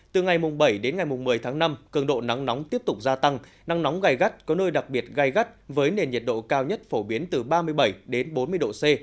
từ ngày bảy đến ngày một mươi tháng năm cường độ nắng nóng tiếp tục gia tăng nắng nóng gai gắt có nơi đặc biệt gai gắt với nền nhiệt độ cao nhất phổ biến từ ba mươi bảy đến bốn mươi độ c